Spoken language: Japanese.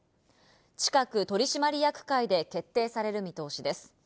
近く取締役会で決定される見通しです。